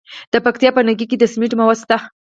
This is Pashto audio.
د پکتیکا په نکې کې د سمنټو مواد شته.